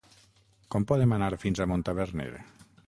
Com podem anar fins a Montaverner?